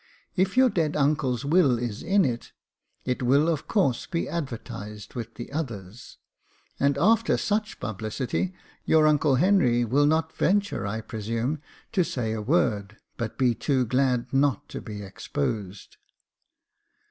If your dead uncle's will is in it, it will of course be advertised with the others, Jacob Faithful ^37 and after such publicity, your uncle Henry will not ven ture, I presume, to say a word, but be too glad not to be exposed."